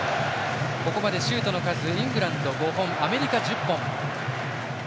ここまでシュートの数はイングランド、５本アメリカ、１０本。